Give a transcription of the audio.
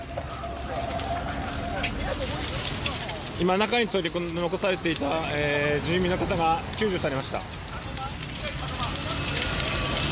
中に取り残されていた住民の方が救助されました。